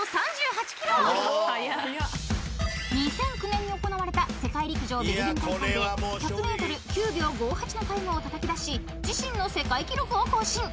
［２００９年に行われた世界陸上ベルリン大会で１００ｍ９秒５８のタイムをたたき出し自身の世界記録を更新］